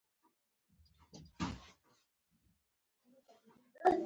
مشوره د تجربه لرونکو خلکو قدر څرګندوي.